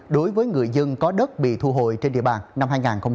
đối với người dân có đất bị thu hồi trên địa bàn năm hai nghìn hai mươi